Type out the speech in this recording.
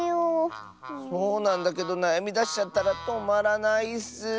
そうなんだけどなやみだしちゃったらとまらないッス。